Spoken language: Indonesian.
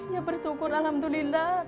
ya bersyukur alhamdulillah